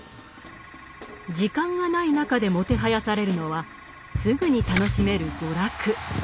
時間がない中でもてはやされるのはすぐに楽しめる娯楽。